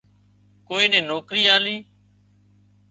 ڪوئي نين نوڪرِي آلي